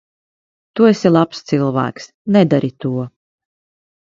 Tu esi labs cilvēks. Nedari to.